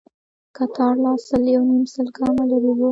کتار لا سل يونيم سل ګامه لرې و.